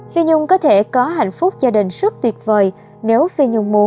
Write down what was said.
phi nhung có thể có hạnh phúc gia đình rất tuyệt vời